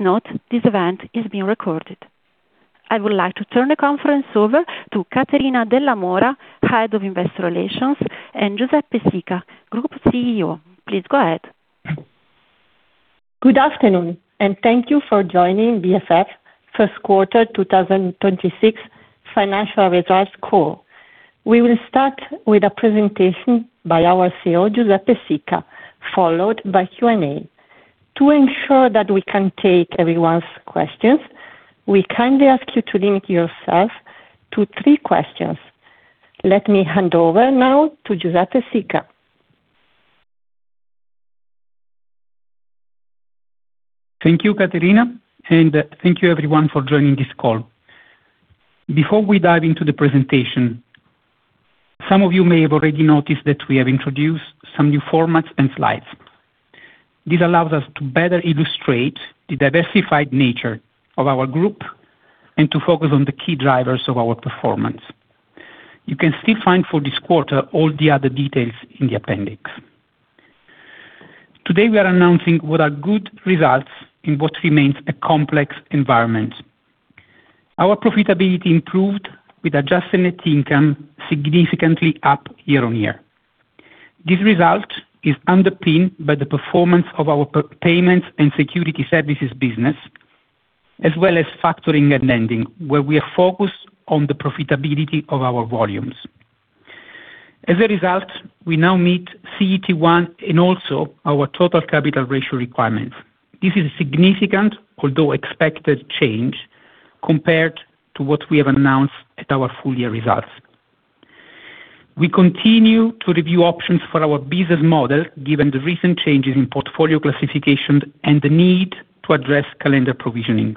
Please note this event is being recorded. I would like to turn the conference over to Caterina Della Mora, Head of Investor Relations, and Giuseppe Sica, Group CEO. Please go ahead. Good afternoon, and thank you for joining BFF first quarter 2026 financial results call. We will start with a presentation by our CEO, Giuseppe Sica, followed by Q&A. To ensure that we can take everyone's questions, we kindly ask you to limit yourself to three questions. Let me hand over now to Giuseppe Sica. Thank you, Caterina, and thank you everyone for joining this call. Before we dive into the presentation, some of you may have already noticed that we have introduced some new formats and slides. This allows us to better illustrate the diversified nature of our group and to focus on the key drivers of our performance. You can still find for this quarter all the other details in the appendix. Today, we are announcing what are good results in what remains a complex environment. Our profitability improved with adjusted net income significantly up year-on-year. This result is underpinned by the performance of our Payments and Securities Services business, as well as factoring and lending, where we are focused on the profitability of our volumes. As a result, we now meet CET1 and also our total capital ratio requirements. This is a significant although expected change compared to what we have announced at our full year results. We continue to review options for our business model, given the recent changes in portfolio classification and the need to address calendar provisioning.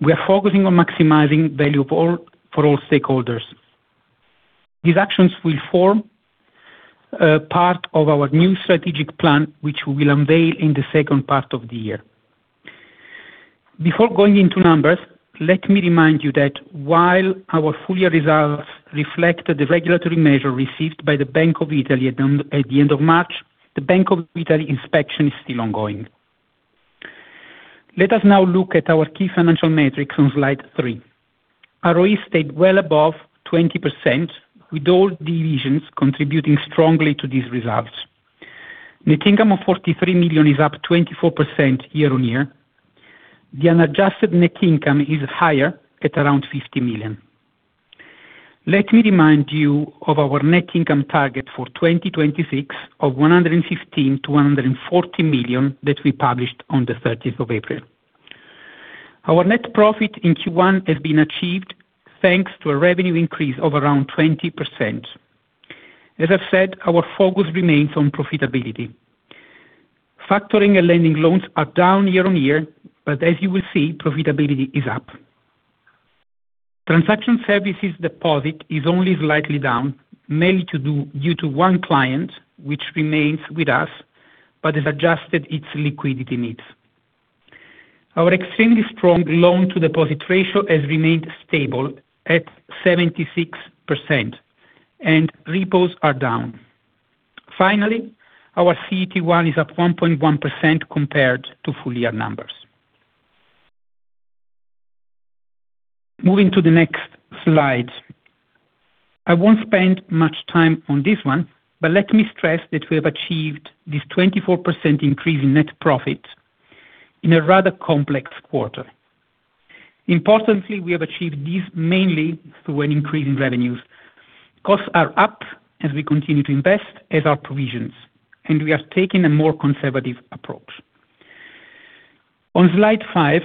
We are focusing on maximizing value for all stakeholders. These actions will form part of our new strategic plan, which we will unveil in the second part of the year. Before going into numbers, let me remind you that while our full year results reflect the regulatory measure received by the Bank of Italy at the end of March, the Bank of Italy inspection is still ongoing. Let us now look at our key financial metrics on slide three. ROE stayed well above 20%, with all divisions contributing strongly to these results. Net income of 43 million is up 24% year-on-year. The unadjusted net income is higher at around 50 million. Let me remind you of our net income target for 2026 of 115 million-140 million that we published on the 13th of April. Our net profit in Q1 has been achieved thanks to a revenue increase of around 20%. As I said, our focus remains on profitability. Factoring and lending loans are down year-on-year, but as you will see, profitability is up. Transaction services deposit is only slightly down, mainly due to one client which remains with us, but has adjusted its liquidity needs. Our extremely strong loan-to-deposit ratio has remained stable at 76%, and repos are down. Finally, our CET1 is at 1.1% compared to full year numbers. Moving to the next slide. I won't spend much time on this one, but let me stress that we have achieved this 24% increase in net profit in a rather complex quarter. Importantly, we have achieved this mainly through an increase in revenues. Costs are up as we continue to invest, as are provisions, and we are taking a more conservative approach. On slide five,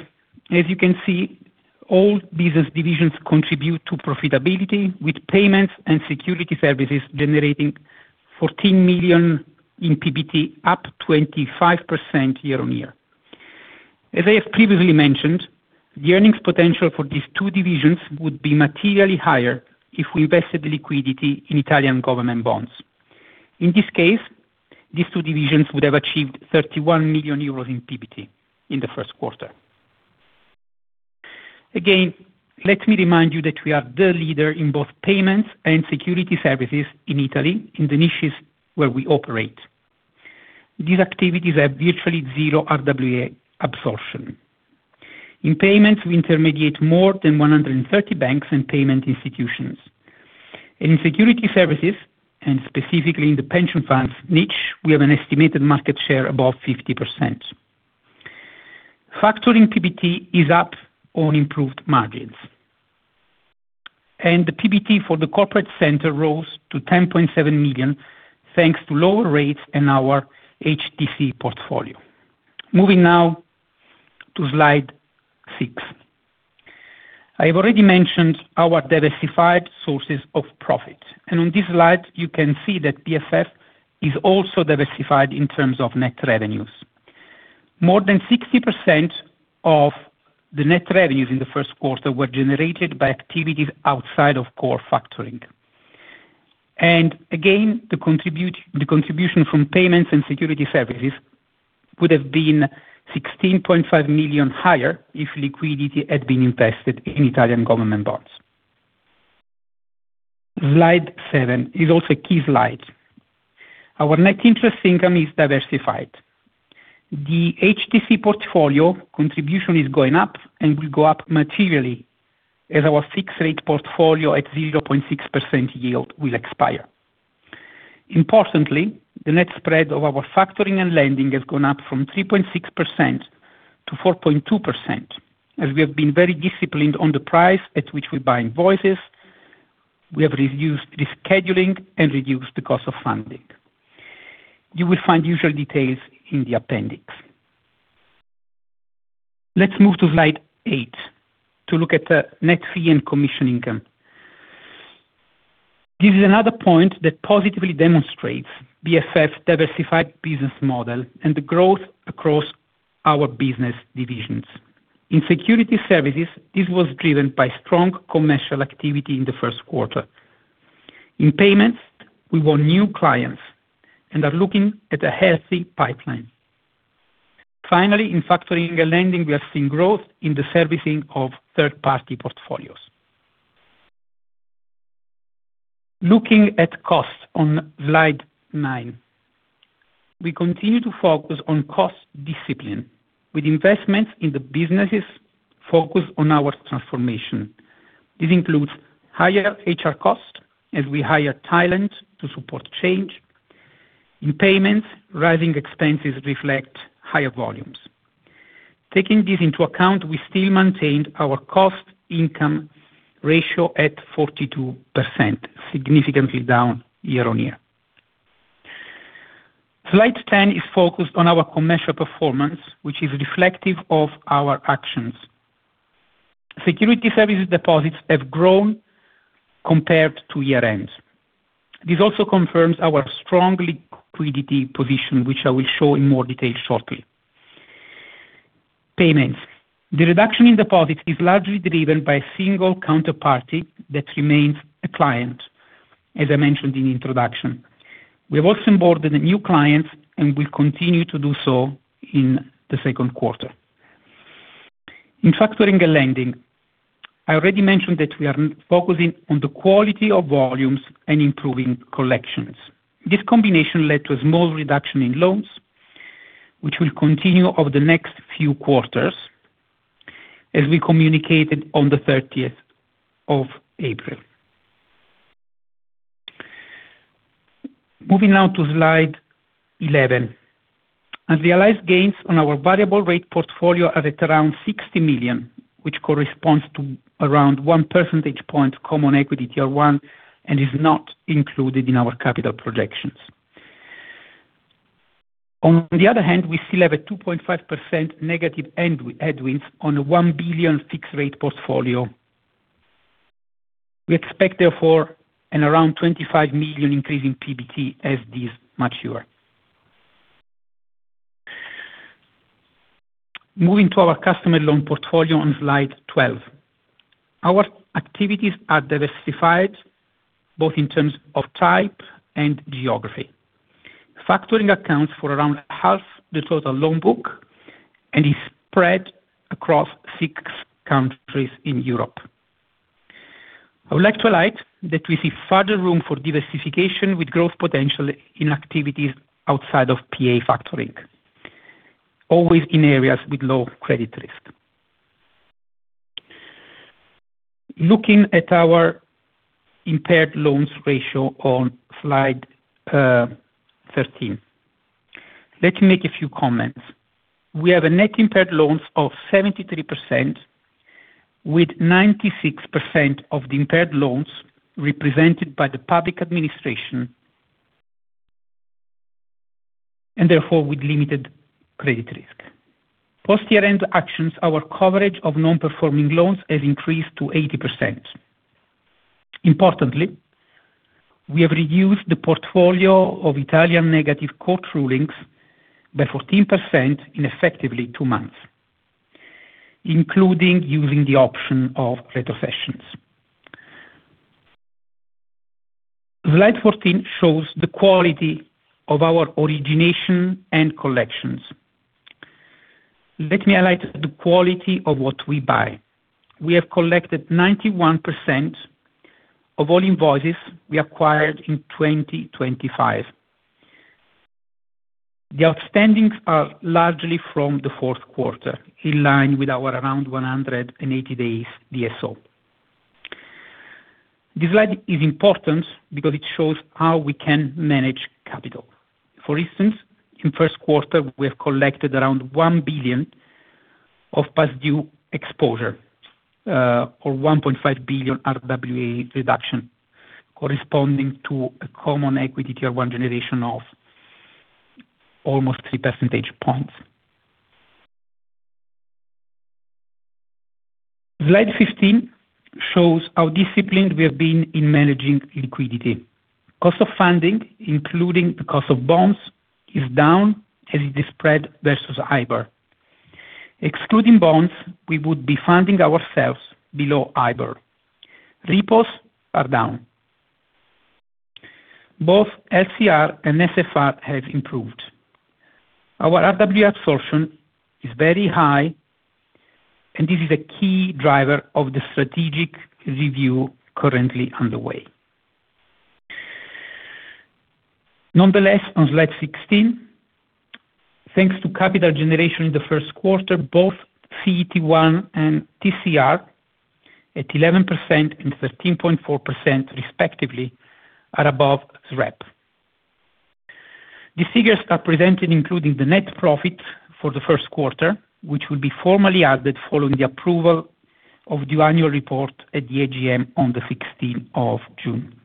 as you can see, all business divisions contribute to profitability, with Payments and Securities Services generating 14 million in PBT, up 25% year-on-year. As I have previously mentioned, the earnings potential for these two divisions would be materially higher if we invested liquidity in Italian government bonds. In this case, these two divisions would have achieved 31 million euros in PBT in the first quarter. Again, let me remind you that we are the leader in both Payments and Securities Services in Italy, in the niches where we operate. These activities have virtually zero RWA absorption. In Payments, we intermediate more than 130 banks and payment institutions. In Securities Services, and specifically in the pension funds niche, we have an estimated market share above 50%. Factoring PBT is up on improved margins. The PBT for the corporate center rose to 10.7 million, thanks to lower rates in our HTC portfolio. Moving now to slide six. I've already mentioned our diversified sources of profit. On this slide, you can see that BFF is also diversified in terms of net revenues. More than 60% of the net revenues in the first quarter were generated by activities outside of core factoring. Again, the contribution from Payments and Securities Services would have been 16.5 million higher if liquidity had been invested in Italian government bonds. Slide seven is also a key slide. Our net interest income is diversified. The HTC portfolio contribution is going up and will go up materially as our fixed rate portfolio at 0.6% yield will expire. Importantly, the net spread of our factoring and lending has gone up from 3.6% to 4.2%, as we have been very disciplined on the price at which we buy invoices. We have reduced rescheduling and reduced the cost of funding. You will find usual details in the appendix. Let's move to slide eight to look at the net fee and commission income. This is another point that positively demonstrates BFF's diversified business model and the growth across our business divisions. In Securities Services, this was driven by strong commercial activity in the first quarter. In Payments, we won new clients and are looking at a healthy pipeline. Finally, in Factoring and Lending, we are seeing growth in the servicing of third-party portfolios. Looking at costs on slide nine. We continue to focus on cost discipline with investments in the businesses focused on our transformation. This includes higher HR costs as we hire talent to support change. In Payments, rising expenses reflect higher volumes. Taking this into account, we still maintained our cost-income ratio at 42%, significantly down year on year. Slide 10 is focused on our commercial performance, which is reflective of our actions. Securities Services deposits have grown compared to year ends. This also confirms our strong liquidity position, which I will show in more detail shortly. Payments. The reduction in deposits is largely driven by a single counterparty that remains a client, as I mentioned in introduction. We have also onboarded a new client, and we'll continue to do so in the second quarter. In Factoring and Lending, I already mentioned that we are focusing on the quality of volumes and improving collections. This combination led to a small reduction in loans, which will continue over the next few quarters as we communicated on the 30th of April. Moving now to slide 11. Realized gains on our variable rate portfolio are at around 60 million, which corresponds to around 1 percentage point Common Equity Tier 1 and is not included in our capital projections. On the other hand, we still have a 2.5% negative end headwinds on a 1 billion fixed-rate portfolio. We expect, therefore, an around 25 million increase in PBT as these mature. Moving to our customer loan portfolio on slide 12. Our activities are diversified both in terms of type and geography. Factoring accounts for around half the total loan book and is spread across six countries in Europe. I would like to highlight that we see further room for diversification with growth potential in activities outside of PA Factoring, always in areas with low credit risk. Looking at our impaired loans ratio on slide 13. Let me make a few comments. We have a net impaired loans of 73%, with 96% of the impaired loans represented by the Public Administration, and therefore with limited credit risk. Post-year-end actions, our coverage of non-performing loans has increased to 80%. Importantly, we have reduced the portfolio of Italian negative court rulings by 14% in effectively two months, including using the option of retrocessions. Slide 14 shows the quality of our origination and collections. Let me highlight the quality of what we buy. We have collected 91% of all invoices we acquired in 2025. The outstandings are largely from the fourth quarter, in line with our around 180 days DSO. This slide is important because it shows how we can manage capital. For instance, in first quarter, we have collected around 1 billion of past due exposure, or 1.5 billion RWA reduction, corresponding to a Common Equity Tier 1 generation of almost 3 percentage points. Slide 15 shows how disciplined we have been in managing liquidity. Cost of funding, including the cost of bonds, is down as is the spread versus IBOR. Excluding bonds, we would be funding ourselves below IBOR. Repos are down. Both LCR and NSFR have improved. Our RWA absorption is very high, and this is a key driver of the strategic review currently underway. On slide 16, thanks to capital generation in the first quarter, both CET1 and TCR at 11% and 13.4% respectively are above SREP. The figures are presented including the net profit for the first quarter, which will be formally added following the approval of the annual report at the AGM on the 16th of June.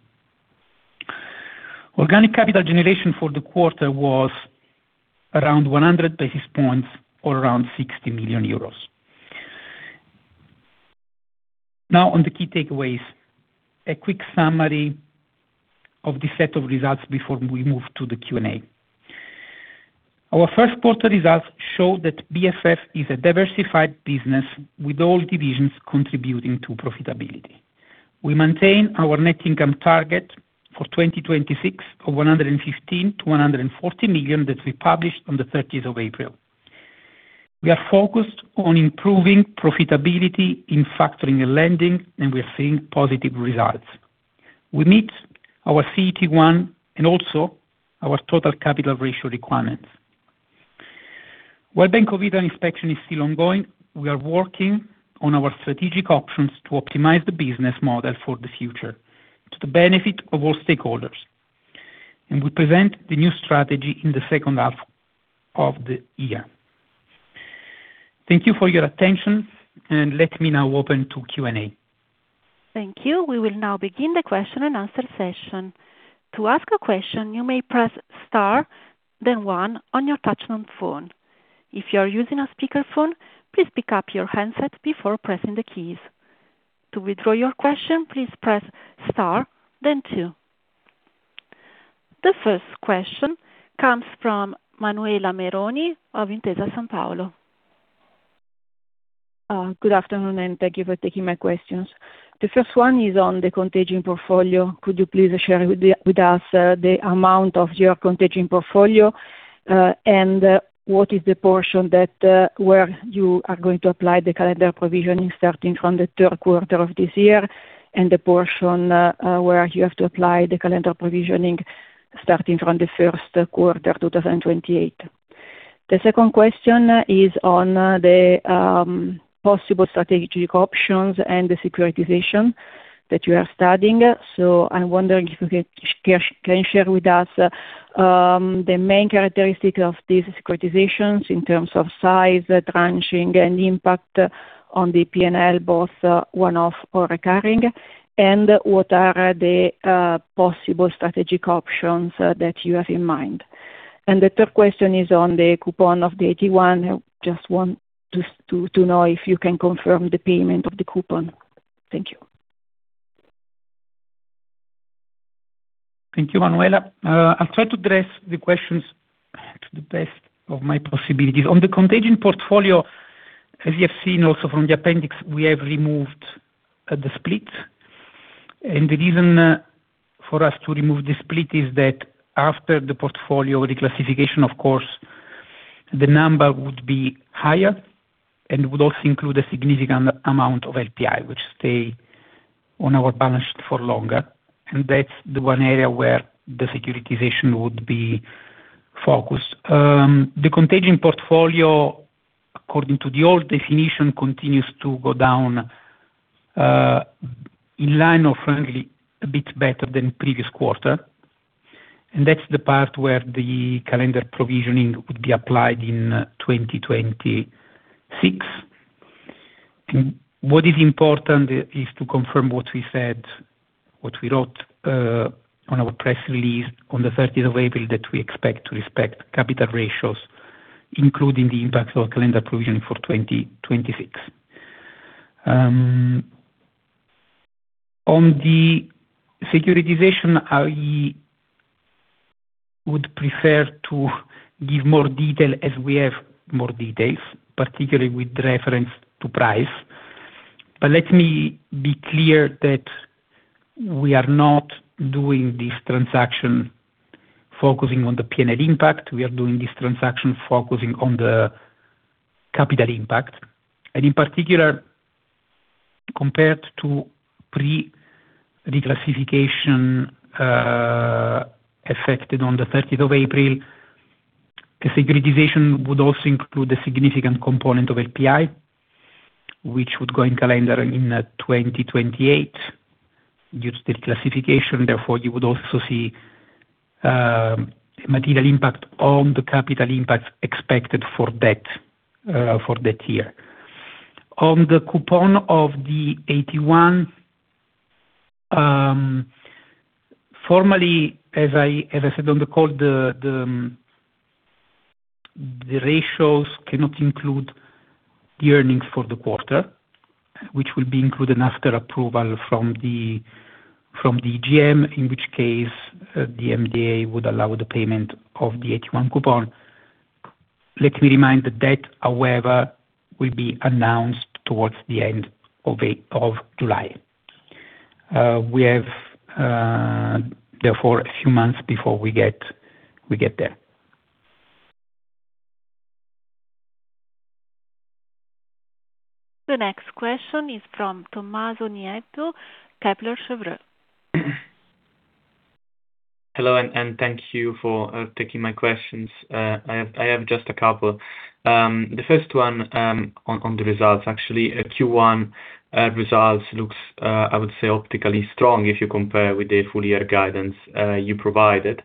Organic capital generation for the quarter was around 100 basis points or around 60 million euros. On the key takeaways. A quick summary of the set of results before we move to the Q&A. Our first quarter results show that BFF is a diversified business with all divisions contributing to profitability. We maintain our net income target for 2026 of 115 million-140 million that we published on the 13th of April. We are focused on improving profitability in factoring and lending, and we are seeing positive results. We meet our CET1 and also our total capital ratio requirements. While Bank of Italy inspection is still ongoing, we are working on our strategic options to optimize the business model for the future to the benefit of all stakeholders, and we present the new strategy in the second half of the year. Thank you for your attention, and let me now open to Q&A. Thank you. We will now begin the question-and-answer session. To ask a question, you may press star then one on your touch tone phone. If you are using a speaker phone, please pick-up your handset before pressing the keys. To withdraw your question, please press star then two. The first question comes from Manuela Meroni of Intesa Sanpaolo. Good afternoon, thank you for taking my questions. The first one is on the contagion portfolio. Could you please share with us the amount of your contagion portfolio? What is the portion that where you are going to apply the calendar provisioning starting from the third quarter of this year and the portion where you have to apply the calendar provisioning starting from the first quarter 2028? The second question is on the possible strategic options and the securitization that you are studying. I'm wondering if you can share with us the main characteristic of these securitizations in terms of size, tranching, and impact on the P&L, both one-off or recurring, and what are the possible strategic options that you have in mind. The third question is on the coupon of the AT1. I just want to know if you can confirm the payment of the coupon. Thank you. Thank you, Manuela. I'll try to address the questions to the best of my possibilities. On the contagion portfolio, as you have seen also from the appendix, we have removed the split. The reason for us to remove the split is that after the portfolio reclassification, of course, the number would be higher, and it would also include a significant amount of LPI, which stay on our balance for longer. That's the one area where the securitization would be focused. The contagion portfolio, according to the old definition, continues to go down in line or frankly, a bit better than previous quarter. That's the part where the calendar provisioning would be applied in 2026. What is important is to confirm what we said, what we wrote on our press release on the 13th of April, that we expect to respect capital ratios, including the impact of our calendar provisioning for 2026. On the securitization, I would prefer to give more detail as we have more details, particularly with reference to price. Let me be clear that we are not doing this transaction focusing on the P&L impact. We are doing this transaction focusing on the capital impact, and in particular, compared to pre-reclassification effected on the 13th of April. The securitization would also include a significant component of LPI, which would go in calendar in 2028 due to the classification. Therefore, you would also see material impact on the capital impact expected for that for that year. On the coupon of the AT1, formally, as I said on the call, the ratios cannot include the earnings for the quarter, which will be included after approval from the AGM, in which case, the MDA would allow the payment of the AT1 coupon. Let me remind the date, however, will be announced towards the end of July. We have, therefore, a few months before we get there. The next question is from Tommaso Nieddu, Kepler Cheuvreux. Hello, thank you for taking my questions. I have just a couple. The first one on the results actually. Q1 results looks I would say optically strong if you compare with the full year guidance you provided.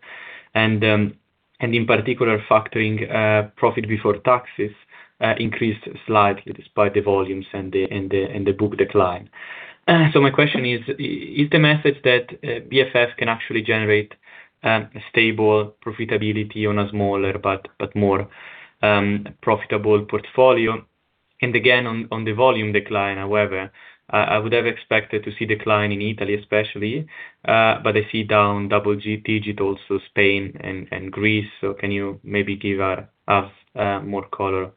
In particular Factoring profit before taxes increased slightly despite the volumes and the book decline. My question is the message that BFF can actually generate a stable profitability on a smaller but more profitable portfolio? Again, on the volume decline, however, I would have expected to see decline in Italy especially, but I see down double-digit also Spain and Greece. Can you maybe give us more color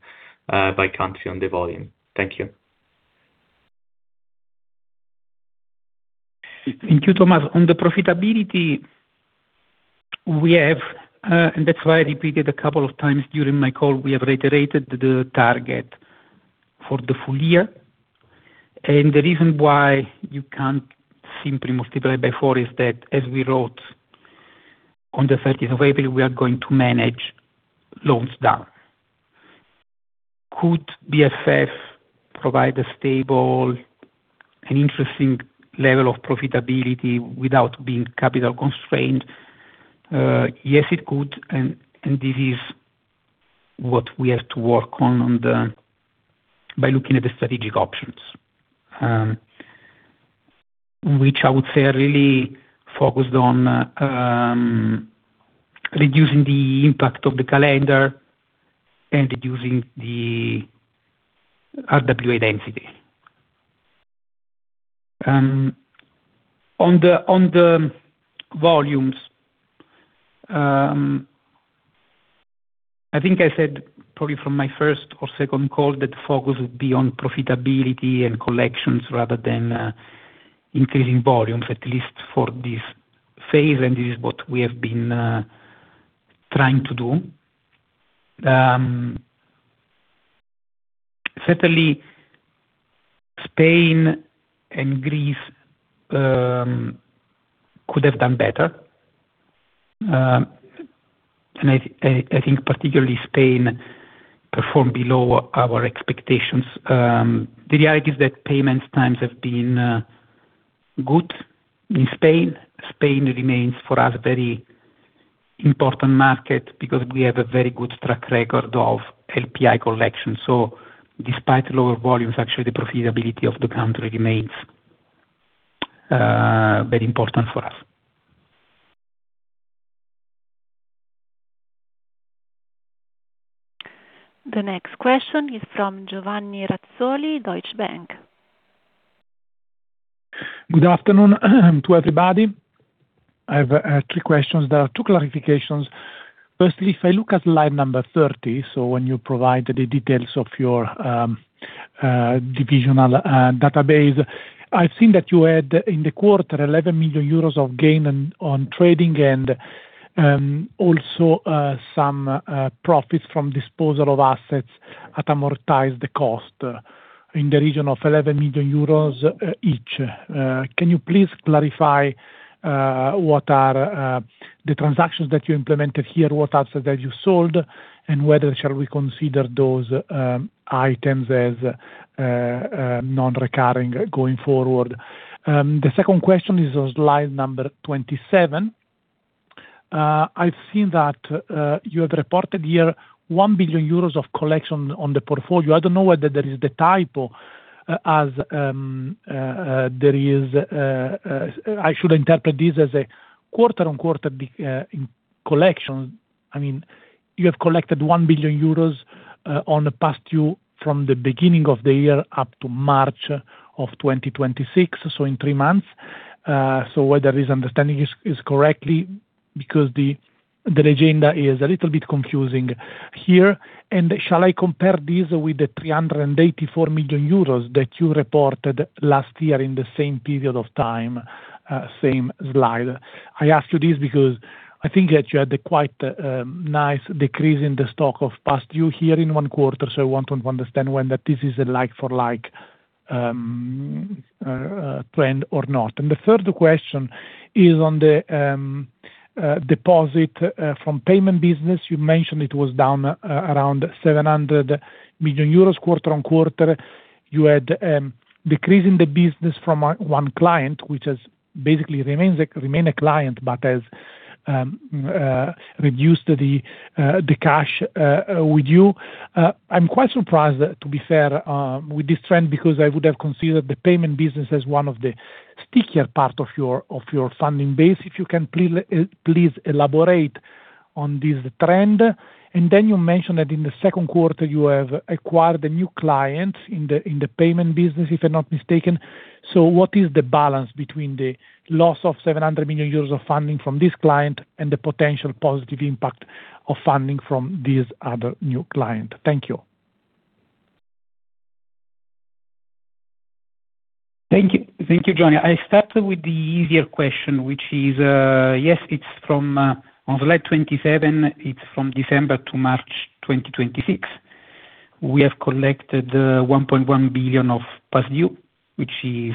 by country on the volume? Thank you. Thank you, Tommaso. On the profitability, we have, and that's why I repeated a couple of times during my call, we have reiterated the target for the full year. The reason why you can't simply multiply by four is that, as we wrote on the 13th of April, we are going to manage loans down. Could BFF provide a stable and interesting level of profitability without being capital constrained? Yes, it could, and this is what we have to work on by looking at the strategic options. Which I would say are really focused on reducing the impact of the calendar and reducing the RWA density. On the, on the volumes, I think I said probably from my first or second call that the focus would be on profitability and collections rather than increasing volumes, at least for this phase, and this is what we have been trying to do. Certainly Spain and Greece could have done better. I think particularly Spain performed below our expectations. The reality is that payment times have been good in Spain. Spain remains, for us, a very important market because we have a very good track record of LPI collection. Despite lower volumes, actually the profitability of the country remains very important for us. The next question is from Giovanni Razzoli, Deutsche Bank. Good afternoon to everybody. I have three questions. There are two clarifications. Firstly, if I look at slide number 30, so when you provide the details of your divisional database, I've seen that you had, in the quarter, 11 million euros of gain on trading and also some profits from disposal of assets at amortized cost in the region of 11 million euros each. Can you please clarify what are the transactions that you implemented here, what assets that you sold, and whether shall we consider those items as non-recurring going forward? The second question is on slide number 27. I've seen that you have reported here 1 billion euros of collection on the portfolio. I don't know whether that is the typo, as there is I should interpret this as a quarter-on-quarter in collection. I mean, you have collected 1 billion euros on the past due from the beginning of the year up to March of 2026, so in three months. Whether this understanding is correctly because the agenda is a little bit confusing here. Shall I compare this with the 384 million euros that you reported last year in the same period of time, same slide? I ask you this because I think that you had a quite nice decrease in the stock of past due here in 1 quarter, so I want to understand whether this is a like-for-like trend or not. The third question is on the deposit from payment business. You mentioned it was down around 700 million euros quarter-on-quarter. You had decrease in the business from one client, which has basically remains a client, but has reduced the cash with you. I'm quite surprised, to be fair, with this trend because I would have considered the payment business as one of the stickier part of your funding base. If you can please elaborate on this trend. You mentioned that in the second quarter you have acquired a new client in the payment business, if I'm not mistaken. What is the balance between the loss of 700 million euros of funding from this client and the potential positive impact of funding from this other new client? Thank you. Thank you. Thank you, Giovanni. I start with the easier question, which is, Yes, it's from, on slide 27, it's from December to March 2026. We have collected 1.1 billion of past due, which is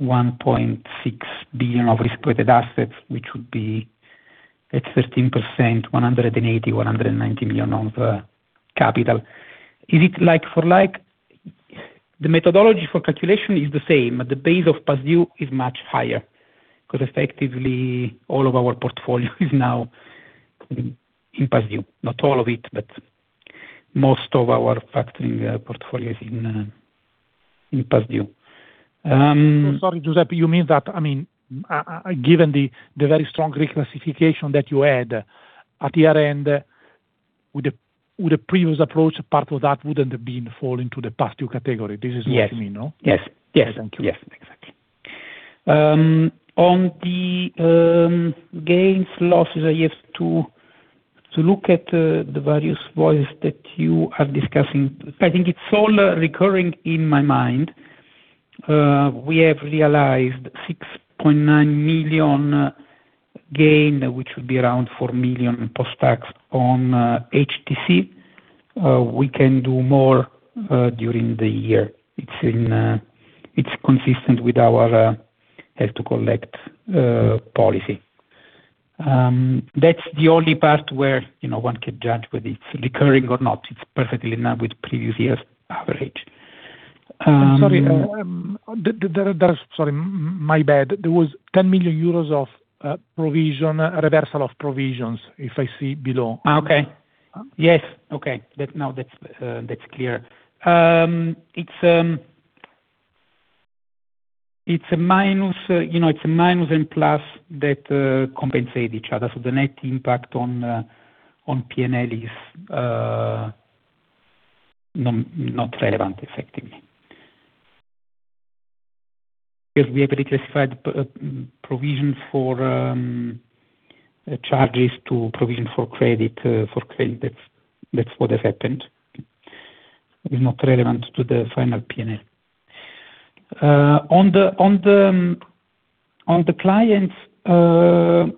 1.6 billion of risk-weighted assets, which would be at 13%, 180 million-190 million on the capital. Is it like for like? The methodology for calculation is the same. The base of past due is much higher because effectively all of our portfolio is now in past due. Not all of it, but most of our factoring portfolio is in past due. Sorry, Giuseppe, you mean that, I mean, given the very strong reclassification that you had at year-end, with the previous approach, part of that wouldn't have been fall into the past due category. This is what you mean, no? Yes. Yes. Thank you. Yes. Exactly. On the gains, losses, I have to look at the various ways that you are discussing. I think it's all recurring in my mind. We have realized 6.9 million gain, which would be around 4 million post-tax on HTC. We can do more during the year. It's consistent with our held to collect policy. That's the only part where, you know, one can judge whether it's recurring or not. It's perfectly in line with previous years' average. Sorry. that, sorry. My bad. There was 10 million euros of provision, reversal of provisions, if I see below. Okay. Yes. Okay. That now that's clear. It's a minus, you know, it's a minus and plus that compensate each other. The net impact on P&L is not relevant, effectively. We have reclassified provision for charges to provision for credit, for credit. That's what has happened. It's not relevant to the final P&L. On the clients, that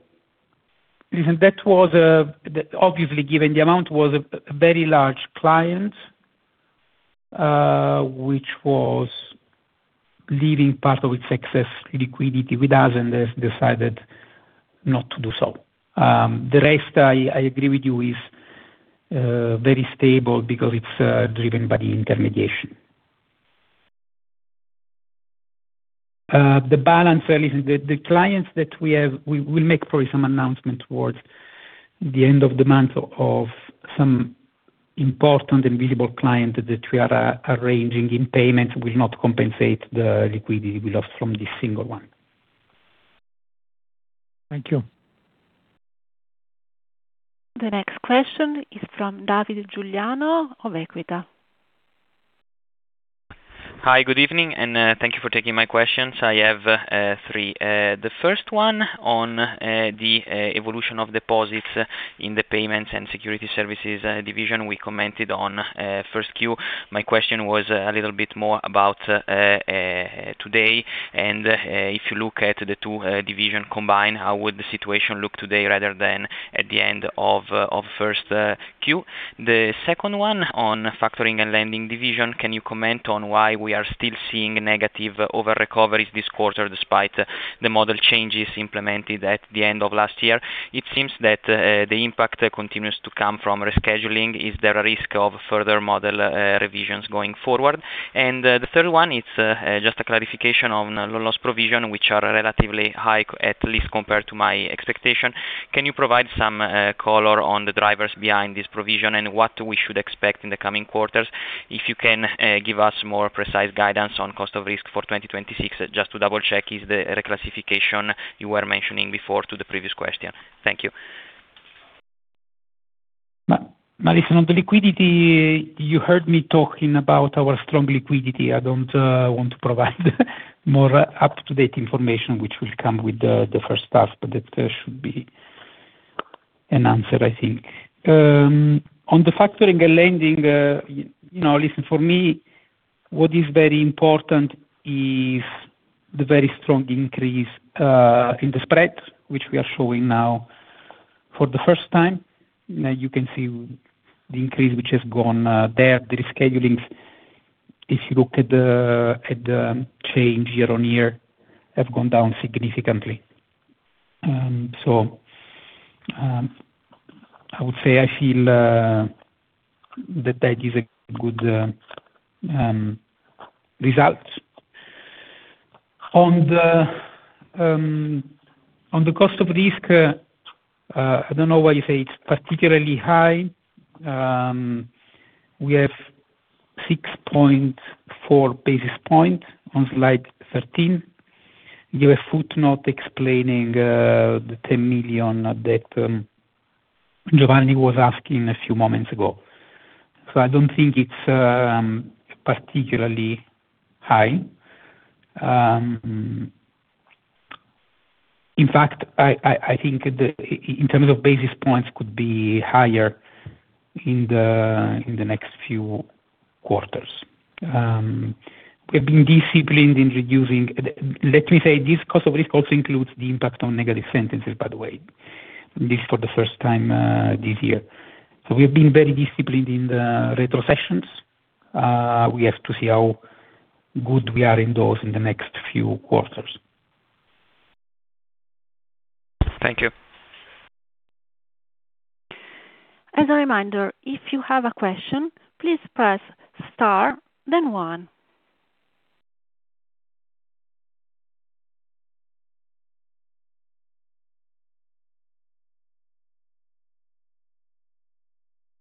was, obviously, given the amount, was a very large client, which was leaving part of its excess liquidity with us and has decided not to do so. The rest, I agree with you, is very stable because it's driven by the intermediation. The balance sheet. The clients that we have, we'll make probably some announcement towards the end of the month of some important and visible client that we are arranging in payment, will not compensate the liquidity we lost from this single one. Thank you. The next question is from Davide Giuliano of Equita. Hi, good evening. Thank you for taking my questions. I have three. The first one on the evolution of deposits in the Payments and Securities Services division we commented on 1Q. My question was a little bit more about today. If you look at the two division combined, how would the situation look today rather than at the end of 1Q? The second one on Factoring and Lending division, can you comment on why we are still seeing negative over recoveries this quarter despite the model changes implemented at the end of last year? It seems that the impact continues to come from rescheduling. Is there a risk of further model revisions going forward? The third one, it's just a clarification on loss provision, which are relatively high, at least compared to my expectation. Can you provide some color on the drivers behind this provision and what we should expect in the coming quarters? If you can give us more precise guidance on cost of risk for 2026, just to double-check is the reclassification you were mentioning before to the previous question. Thank you. On the liquidity, you heard me talking about our strong liquidity. I don't want to provide more up-to-date information, which will come with the first half, but that should be an answer, I think. On the Factoring and Lending, you know, listen, for me, what is very important is the very strong increase in the spread, which we are showing now for the first time. You can see the increase which has gone there. The reschedulings, if you look at the change year-over-year, have gone down significantly. I would say I feel that that is a good result. On the cost of risk, I don't know why you say it's particularly high. We have 6.4 basis points on slide 13. You have a footnote explaining the 10 million that Giovanni was asking a few moments ago. I don't think it's particularly high. In fact, I think in terms of basis points could be higher in the next few quarters. We've been disciplined in reducing Let me say, this cost of risk also includes the impact on negative sentences, by the way. This is for the first time this year. We've been very disciplined in the retrocessions. We have to see how good we are in those in the next few quarters. Thank you. As a reminder, if you have a question, please press star then one.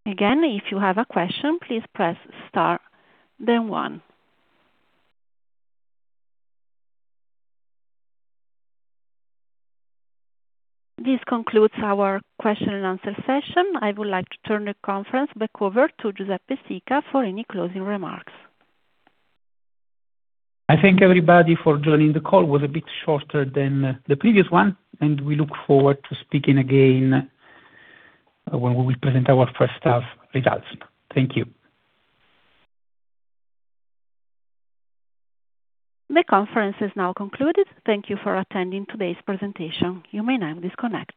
Again, if you have a question, please press star then one. This concludes our question and answer session. I would like to turn the conference back over to Giuseppe Sica for any closing remarks. I thank everybody for joining the call. It was a bit shorter than the previous one, and we look forward to speaking again when we will present our first half results. Thank you. The conference is now concluded. Thank you for attending today's presentation. You may now disconnect.